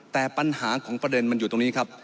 แต่ปัญหาของประเด็นมันอยู่ตรงนี้ครับ